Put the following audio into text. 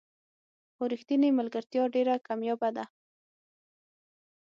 خو رښتینې ملګرتیا ډېره کمیابه ده.